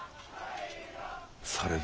されど。